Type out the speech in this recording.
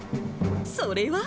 それは。